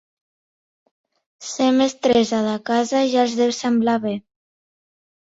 Ser mestressa de casa ja els deu semblar bé.